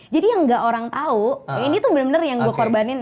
jadi yang gak orang tau ini tuh bener bener yang gue korbanin